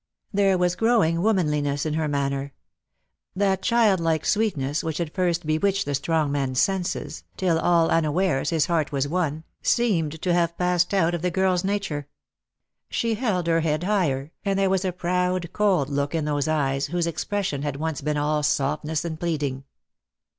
There was a growing womanliness in her manner. That chilklike sweetness which had first bewitched the strong man's senses, till, all unawares, his heart was won, seemed to have passed out of the girl's nature. She held her head higher, and there was a proud cold look in those eyes, whose expression had once been all softness and pleading.